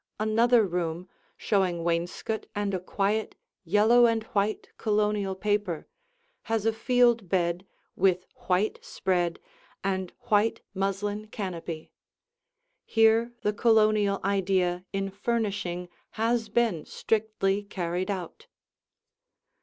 Another room, showing wainscot and a quiet yellow and white Colonial paper, has a Field bed with white spread and white muslin canopy. Here the Colonial idea in furnishing has been strictly carried out.